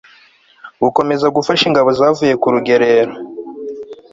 gukomeza gufasha ingabo zavuye ku rugererero